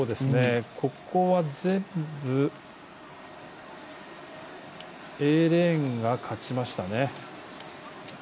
ここは、全部Ａレーンが勝ちましたね。